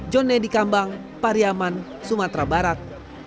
jonny dikambang pariaman sumatera barat